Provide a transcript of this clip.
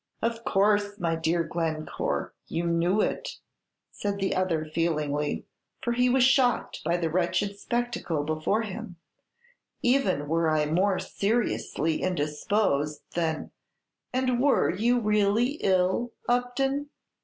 "Of course, my dear Glencore, you knew it," said the other, feelingly, for he was shocked by the wretched spectacle before him; "even were I more seriously indisposed than " "And were you really ill, Upton?"